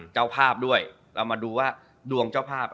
เจ้าภาพด้วยเรามาดูว่าดวงเจ้าภาพ